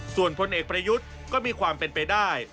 ส่วนพลเอกประยุทธ์ก็มีความเป็นไปได้